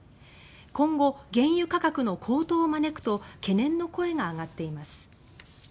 今後、原油価格の高騰を招くと懸念の声が上がっています。